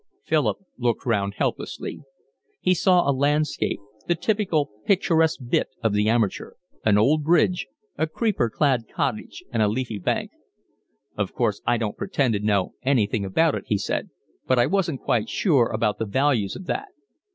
Philip looked round helplessly. He saw a landscape, the typical picturesque 'bit' of the amateur, an old bridge, a creeper clad cottage, and a leafy bank. "Of course I don't pretend to know anything about it," he said. "But I wasn't quite sure about the values of that."